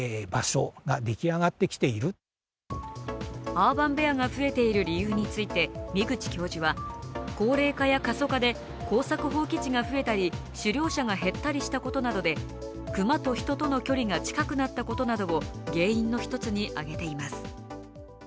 アーバンベアが増えている理由について箕口教授は、高齢化や過疎化で耕作放棄地が増えたり、狩猟者が減ったりしたことなどで熊と人との距離が近くなったことなどを原因の一つに挙げています。